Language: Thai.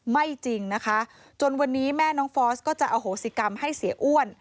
จริงนะคะจนวันนี้แม่น้องฟอสก็จะอโหสิกรรมให้เสียอ้วน